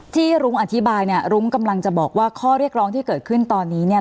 รุ้งอธิบายเนี่ยรุ้งกำลังจะบอกว่าข้อเรียกร้องที่เกิดขึ้นตอนนี้เนี่ย